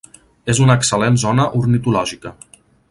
És una excel·lent zona ornitològica.